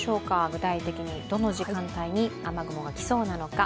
具体的にどの時間帯に雨雲が来そうなのか。